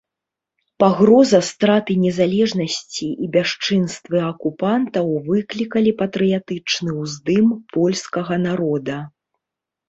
Пагроза страты незалежнасці і бясчынствы акупантаў выклікалі патрыятычны ўздым польскага народа.